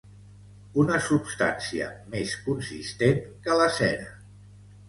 Una substància més consistent que la cera.